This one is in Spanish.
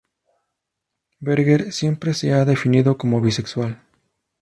Berger siempre se ha definido como bisexual.